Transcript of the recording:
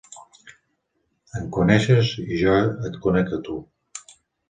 Em coneixes, i jo et conec a tu.